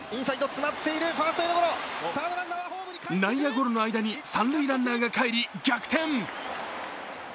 内野ゴロの間に三塁ランナーが帰り逆転。